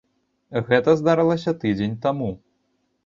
Гэта здарылася тыдзень таму.